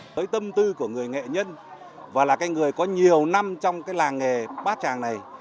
tới tâm tư của người nghệ nhân và là người có nhiều năm trong làng nghề bát tràng này